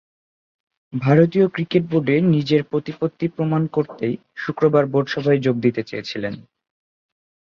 ভারতীয় ক্রিকেট বোর্ডে নিজের প্রতিপত্তি প্রমাণ করতেই শুক্রবার বোর্ড সভায় যোগ দিতে চেয়েছিলেন।